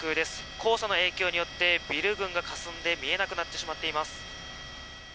黄砂の影響によってビル群がかすんで見えなくなってしまっています。